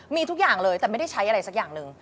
มีทุกอย่างเลยแต่ไม่ได้ใช้อะไรสักอย่างหนึ่ง